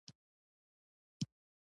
د ژړ لمر زرین لاسونه وکړکۍ ته،